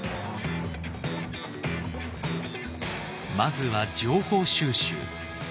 まずは情報収集。